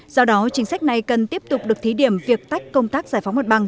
do đó chính sách này cần tiếp tục được thí điểm việc tách công tác giải phóng mặt bằng